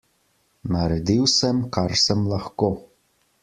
Naredil sem, kar sem lahko.